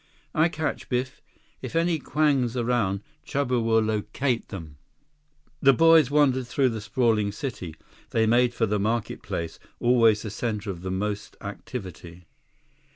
"I catch, Biff. If any Kwangs around, Chuba will locate them." 138 The boys wandered through the sprawling city. They made for the market place, always the center of the most activity.